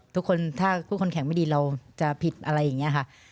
ทุกคนถ้าผู้คนแข็งไม่ดีเราจะผิดอะไรอย่างนี้ค่ะ